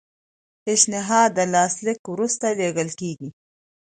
پیشنهاد د لاسلیک وروسته لیږل کیږي.